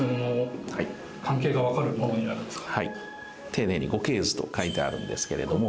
丁寧に御系図と書いてあるんですけれども。